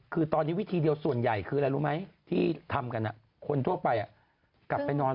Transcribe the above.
คือตอนนี้วิธีเดียวส่วนใหญ่คืออะไรรู้ไหมที่ทำกันคนทั่วไปกลับไปนอน